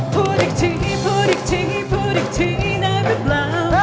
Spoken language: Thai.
พูดอีกทีพูดอีกทีพูดอีกทีได้หรือเปล่า